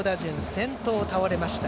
先頭、倒れました。